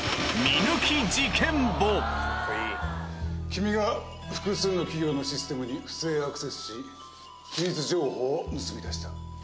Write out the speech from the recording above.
君が複数の企業のシステムに不正アクセスし機密情報を盗み出した。